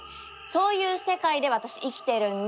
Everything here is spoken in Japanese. そういう世界で私生きてるんで！